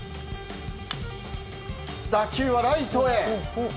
打球はライトへ。